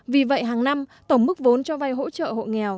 vì vậy hàng năm tổng mức vốn cho vay hỗ trợ hộ nghèo